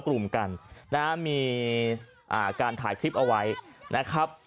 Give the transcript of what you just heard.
กลุ่มอยู่กันเป็นกลุ่มอยู่กัน